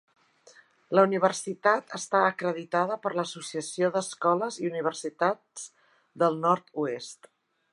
La universitat està acreditada per l'Associació d'Escoles i Universitats del Nord-oest.